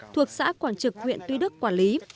thuộc xã quảng trực huyện tuy đức quản lý